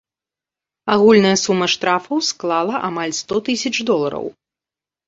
Агульная сума штрафаў склала амаль сто тысяч долараў.